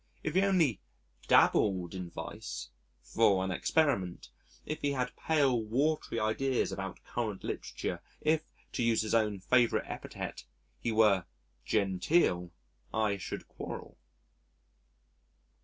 If he only dabbled in vice (for an experiment), if he had pale, watery ideas about current literature if to use his own favourite epithet he were genteel, I should quarrel.